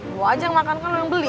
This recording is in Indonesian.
gue ajang makan kan lo yang beli